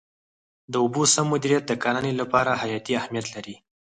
د اوبو سم مدیریت د کرنې لپاره حیاتي اهمیت لري.